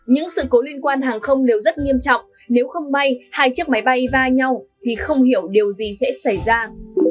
những sự cố liên quan hàng không đều rất nghiêm trọng nếu không may hai chiếc máy bay va nhau thì không hiểu điều gì sẽ xảy ra